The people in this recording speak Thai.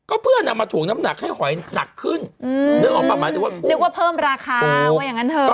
ก็เพื่อนอ่ะมาถูงน้ำหนักให้หอยหนักขึ้นอืมนึกว่าเพิ่มราคาว่าอย่างงั้นเถอะ